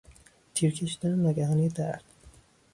تیر کشیدن ناگهانی درد